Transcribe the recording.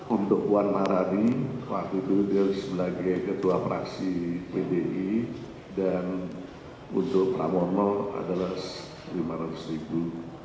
untuk puan maharani waktu itu dia sebagai ketua praksi pdi dan untuk pramono adalah rp lima ratus ribu